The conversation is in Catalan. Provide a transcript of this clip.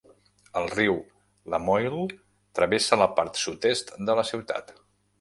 El riu Lamoille travessa la part sud-est de la ciutat.